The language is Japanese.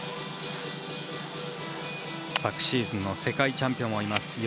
昨シーズンの世界チャンピオンもいます。